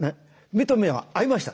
目と目は合いました。